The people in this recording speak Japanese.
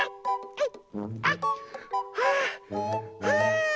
はい！